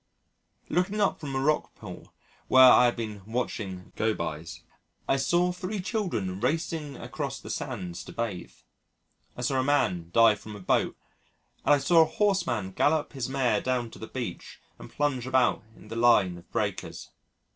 _ Looking up from a rockpool, where I had been watching Gobies, I saw three children racing across the sands to bathe, I saw a man dive from a boat, and I saw a horse man gallop his mare down to the beach and plunge about in the line of breakers.